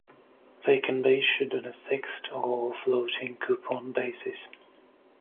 They can be issued on a fixed or floating coupon basis.